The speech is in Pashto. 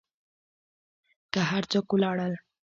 که هر څوک و لاړل.